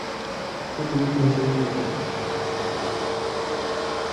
সন্দীপ একটু হেসে বললে, না।